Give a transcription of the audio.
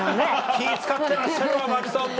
気ぃ使ってらっしゃるわ真木さんも。